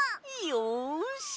よし。